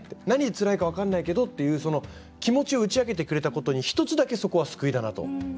何につらいか分からないけどっていうその気持ちを打ち明けてくれたことに１つだけ、そこは救いだなと。